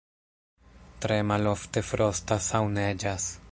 Tre malofte frostas aŭ neĝas.